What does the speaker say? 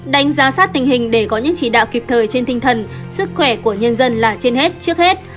đánh giá sát tình hình để có những chỉ đạo kịp thời trên tinh thần sức khỏe của nhân dân là trên hết trước hết